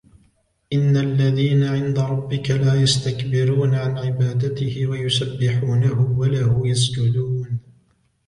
إِنَّ الَّذِينَ عِنْدَ رَبِّكَ لَا يَسْتَكْبِرُونَ عَنْ عِبَادَتِهِ وَيُسَبِّحُونَهُ وَلَهُ يَسْجُدُونَ